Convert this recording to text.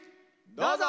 どうぞ！